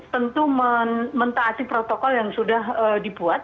tentu mentaati protokol yang sudah dibuat